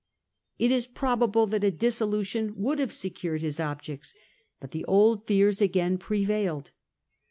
It is probable that a dissolution would have secured his objects. But the old fears again prevailed.